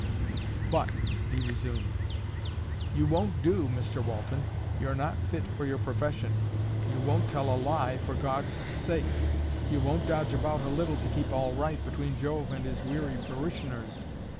"But," he resumed, "you won't do, Mr Walton. You're not fit for your profession. You won't tell a lie for God's sake. You won't dodge about a little to keep all right between Jove and his weary parishioners.